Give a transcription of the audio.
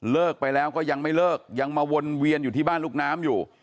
ไปแล้วก็ยังไม่เลิกยังมาวนเวียนอยู่ที่บ้านลูกน้ำอยู่